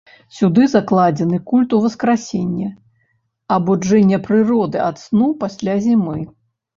Сюды закладзены культ уваскрасення, абуджэння прыроды ад сну пасля зімы.